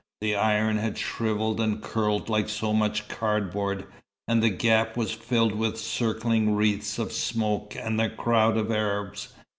The iron had shrivelled and curled like so much cardboard, and the gap was filled with circling wreaths of smoke and a crowd of Arabs.